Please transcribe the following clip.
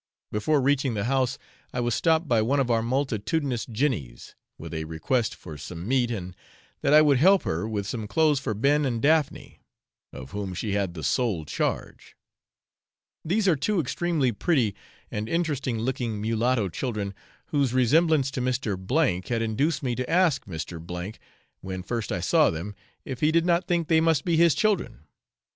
Before reaching the house, I was stopped by one of our multitudinous Jennies, with a request for some meat, and that I would help her with some clothes for Ben and Daphne, of whom she had the sole charge; these are two extremely pretty and interesting looking mulatto children, whose resemblance to Mr. K had induced me to ask Mr. , when first I saw them, if he did not think they must be his children?